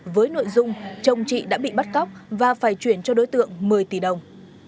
với nội dung chồng chị đã bị bắt cóc và phải chuyển cho đối tượng một mươi tỷ đồng